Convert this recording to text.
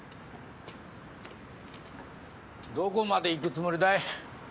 どこまで行くつもりだい？